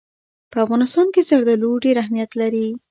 په افغانستان کې زردالو ډېر اهمیت لري.